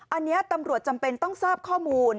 อันนี้ตำรวจจำเป็นต้องทราบข้อมูล